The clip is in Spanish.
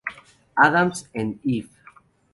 Adams and Eve".